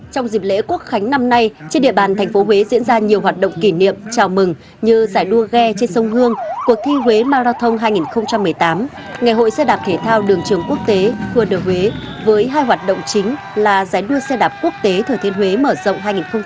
trong dịp lễ quốc khánh năm nay trên địa bàn thành phố huế diễn ra nhiều hoạt động kỷ niệm chào mừng như giải đua ghe trên sông hương cuộc thi huế marathon hai nghìn một mươi tám ngày hội xe đạp thể thao đường trường quốc tế khuôn đường huế với hai hoạt động chính là giải đua xe đạp quốc tế thừa thiên huế mở rộng hai nghìn một mươi chín